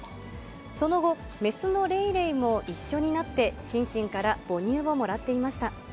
その後、雌のレイレイも一緒になって、シンシンから母乳をもらっていました。